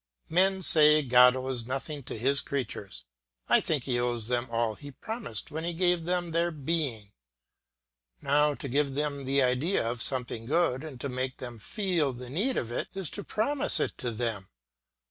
Men say God owes nothing to his creatures. I think he owes them all he promised when he gave them their being. Now to give them the idea of something good and to make them feel the need of it, is to promise it to them.